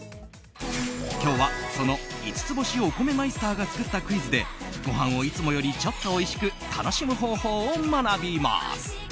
今日はその五ツ星お米マイスターが作ったクイズでご飯をいつもよりちょっとおいしく楽しむ方法を学びます。